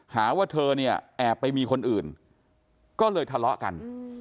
หาว่าเธอเนี่ยแอบไปมีคนอื่นก็เลยทะเลาะกัน